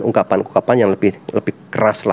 ungkapan ungkapan yang lebih keras